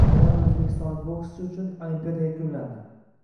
Yana bir o‘zbekistonlik bokschi uchun Olimpiada yakunlandi